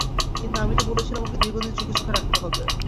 কিন্তু আমি তো বলেছিলাম ওকে দীর্ঘদিন চোখে-চোখে রাখতে হবে।